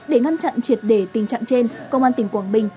để ngăn chặn triệt để tình trạng trên công an tỉnh quảng bình